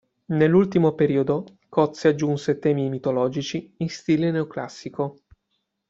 Nell'ultimo periodo Cozzi aggiunse temi mitologici, in stile neoclassico.